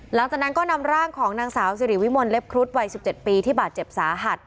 หลังจากนั้นก็นำร่างของนางสาวสิริวิมลเล็บครุฑวัย๑๗ปีที่บาดเจ็บสาหัส